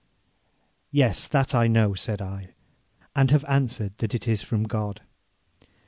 'Yes, that I know,' said I, 'and have answered that it is from God.'